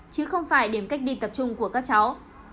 chứ không phải điểm cách ly tập trung của các cháu